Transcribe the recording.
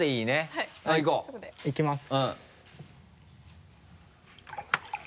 はいいこう。いきます。